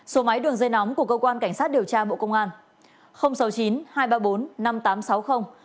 số máy đường dây nóng